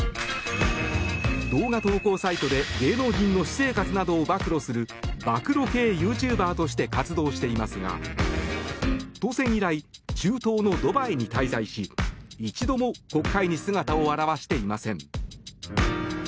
動画投稿サイトで芸能人の私生活などを暴露する暴露系ユーチューバーとして活動していますが当選以来中東のドバイに滞在し一度も国会に姿を現していません。